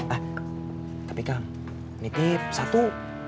ah tapi kang ini tip satu